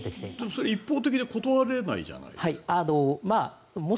それだと一方的で断れないじゃないですか。